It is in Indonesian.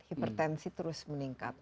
hipertensi terus meningkat